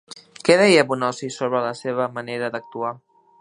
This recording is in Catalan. Què deia Bonosi sobre la seva manera d'actuar?